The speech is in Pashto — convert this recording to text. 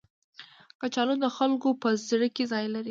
کچالو د خلکو په زړه کې ځای لري